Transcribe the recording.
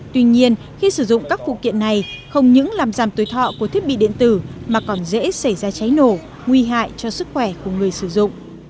tuy nhiên khi sử dụng các phụ kiện này không những làm giảm tối thọ của thiết bị điện tử mà còn dễ xảy ra cháy nổ nguy hại cho sức khỏe của người sử dụng